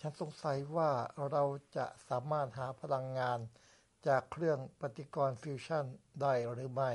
ฉันสงสัยว่าเราจะสามารถหาพลังงานจากเครื่องปฏิกรณ์ฟิวชั่นได้หรือไม่